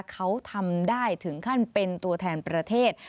เขาทำได้ถึงขั้นเป็นตัวแทนประเทศ